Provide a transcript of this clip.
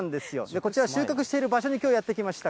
こちら、収穫している場所に、きょうやって来ました。